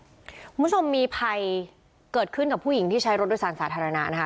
คุณผู้ชมมีภัยเกิดขึ้นกับผู้หญิงที่ใช้รถโดยสารสาธารณะนะคะ